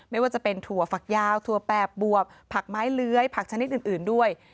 ไม่ว่าจะเป็นถั่วฝักยาวถั่วแปบบวบผักไม้เลื้อยผักชนิดอื่นด้วย